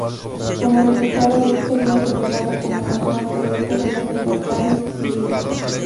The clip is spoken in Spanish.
Como resultado, Buck sería celebrado como campeón heroico de las libertades civiles.